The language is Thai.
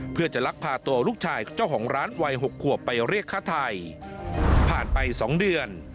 เพื่อจะลักพาตัวลูกชายเจ้าของร้านวัย๖ขวบไปเรียกฆ่าไทยผ่านไป๒เดือน